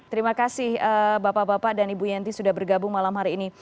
terima kasih bapak bapak dan ibu yenty sudah bergabung malam hari ini